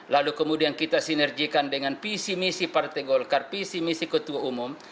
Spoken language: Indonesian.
lalu kemudian kita sinerjikan dengan visi misi partai golkar visi misi ketua umum